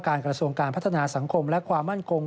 กระทรวงการพัฒนาสังคมและความมั่นคง